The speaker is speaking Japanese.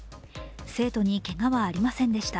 生徒にけがはありませんでした。